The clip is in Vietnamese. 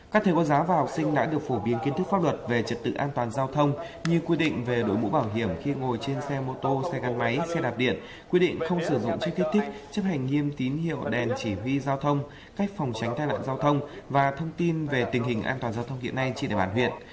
các thầy cô giáo và học sinh đã được phổ biến kiến thức pháp luật về trật tự an toàn giao thông như quy định về đổi mũ bảo hiểm khi ngồi trên xe mô tô xe gắn máy xe đạp điện quy định không sử dụng chất kích thích chấp hành nghiêm tín hiệu đèn chỉ huy giao thông cách phòng tránh tai nạn giao thông và thông tin về tình hình an toàn giao thông hiện nay trên địa bàn huyện